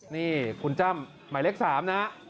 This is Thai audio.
นี่คุณจ้ำหมายเลข๓นะ